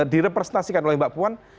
direpresentasikan oleh mbak puan